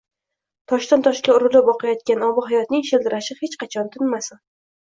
Toshdan toshga urilib oqayotgan obihayotning shildirashi hech qachon tinmasin!